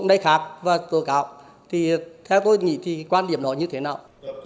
bạc và tố cáo thì theo tôi nghĩ thì quan điểm đó như thế nào